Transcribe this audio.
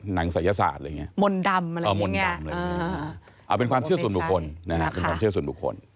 หนังศัยศาสตร์มนดำเป็นความเชื่อสนบุคคล